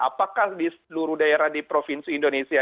apakah di seluruh daerah di provinsi indonesia